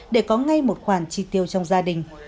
để có ngay một khoản chi tiêu trong gia đình